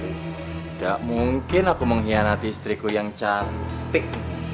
tidak mungkin aku mengkhianati istriku yang cantik